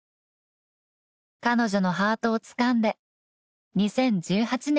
［彼女のハートをつかんで２０１８年にゴールイン］